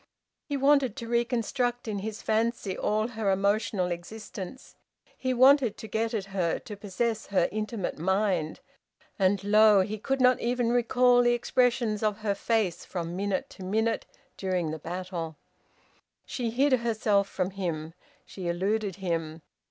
He wanted to reconstruct in his fancy all her emotional existence; he wanted to get at her, to possess her intimate mind, and lo! he could not even recall the expressions of her face from minute to minute during the battle. She hid herself from him. She eluded him...